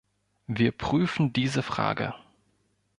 Wir prüfen diese Frage.